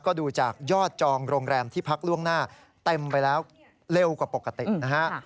ก็ดูจากยอดจองโรงแรมที่พักล่วงหน้าเต็มไปแล้วเร็วกว่าปกตินะฮะ